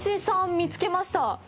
見つけました。